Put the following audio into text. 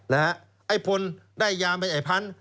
แล้วไอ้พนธุ์ได้ยามาจากไอ้พันธุ์